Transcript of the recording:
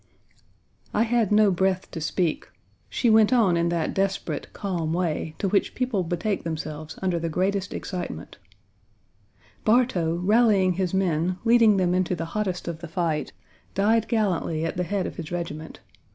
I had no breath to speak; she went on in that desperate, calm way, to which people betake themselves under the greatest excitement: "Bartow, rallying his men, leading them into the hottest of the light, died gallantly at the head of his regiment.